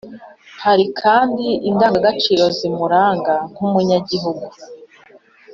hari kandi indangagaciro zimuranga nk' umwenegihugu.